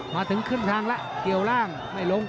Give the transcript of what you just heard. มาถึงครึ่งทางแล้วเกี่ยวล่างไม่ลง